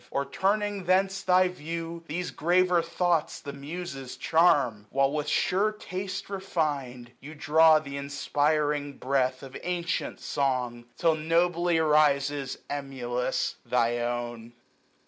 Or, turning thence thy view, these graver thoughts The Muses charm : While, with sure taste refin'd, 930 You draw th* inspiring breath of antient song ; Till nobly rises, emulous, thy own.